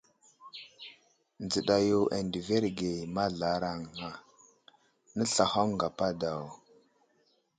Nzəɗa yo andəverge mazlaraŋa, nəslahoŋ gapa daw.